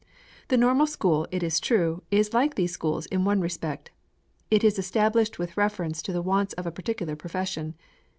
The Normal School, it is true, is like these schools in one respect. It is established with reference to the wants of a particular profession.